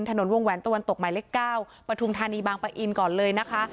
ถนนวงแหวนตะวันตกใหม่เล็ก๙ปทุงธานีบังปะอินก่อนเลยนะคะ